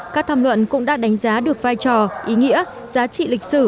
các tham luận cũng đã đánh giá được vai trò ý nghĩa giá trị lịch sử